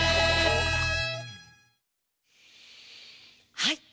はい。